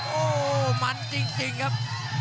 โอ้โหมันจริงครับ